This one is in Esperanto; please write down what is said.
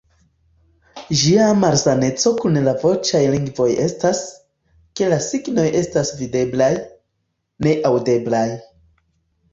Ĝia malsameco kun la voĉaj lingvoj estas, ke la signoj estas videblaj, ne aŭdeblaj.